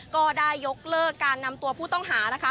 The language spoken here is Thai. ก็ได้ยกเลิกการนำตัวผู้ต้องหานะคะ